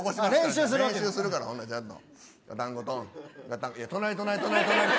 練習するからちゃんと。